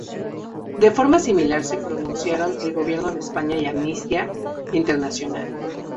De forma similar se pronunciaron el Gobierno de España y Amnistía Internacional.